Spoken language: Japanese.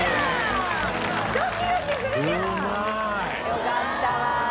よかったわ。